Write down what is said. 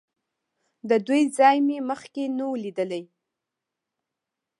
د دوی ځای مې مخکې نه و لیدلی.